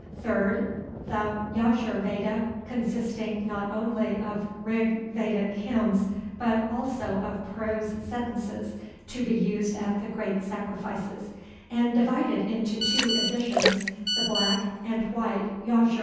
Third, the Yajur Veda, consisting not only of Rig Vedic hymns, but also of prose sentences, to be used at the great sacrifices; and divided into two editions, the Black and White Yajur.